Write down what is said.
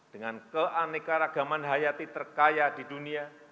dengan keanekaragaman hayati terkaya di dunia